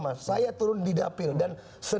mas saya turun di dapil dan